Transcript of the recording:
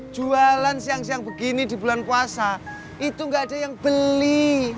jualan siang siang begini di bulan puasa itu nggak ada yang beli